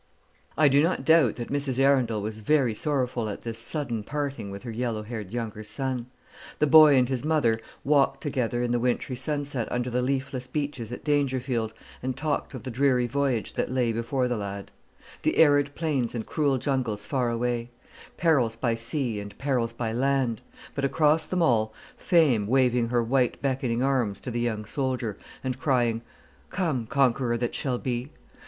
I do not doubt that Mrs Arundel was very sorrowful at this sudden parting with her yellow haired younger son. The boy and his mother walked together in the wintry sunset under the leafless beeches at Dangerfield, and talked of the dreary voyage that lay before the lad; the arid plains and cruel jungles far away; perils by sea and perils by land; but across them all, Fame waving her white beckoning arms to the young soldier, and crying, "Come, conqueror that shall be!